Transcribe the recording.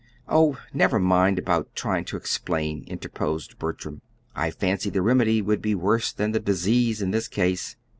"Oh, never mind about trying to explain," interposed Bertram. "I fancy the remedy would be worse than the disease, in this case."